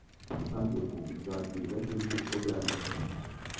natangiye kugushakisha, sinzi uko byari impumyi.